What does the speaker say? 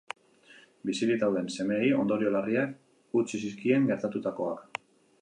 Bizirik dauden semeei ondorio larriak utzi zizkien gertatutakoak.